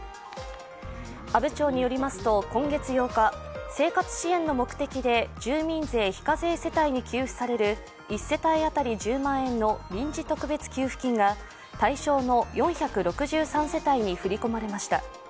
阿武町によりますと今月８日生活支援の目的で住民税非課税世帯に給付される１世帯当たり１０万円の臨時特別給付金が対象の４６３世帯に振り込まれました。